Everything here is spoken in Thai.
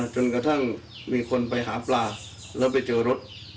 จนกระทั่งมีคนไปหาปลาแล้วไปเจอรถ